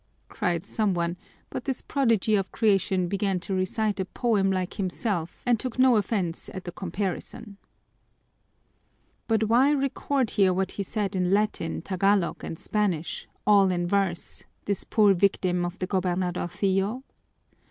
cried some one, but this prodigy of creation began to recite a poem like himself and took no offense at the comparison. But why record here what he said in Latin, Tagalog, and Spanish, all in verse this poor victim of the gobernadorcillo?